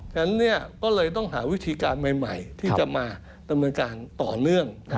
ฉะนั้นก็เลยต้องหาวิธีการใหม่ที่จะมาดำเนินการต่อเนื่อง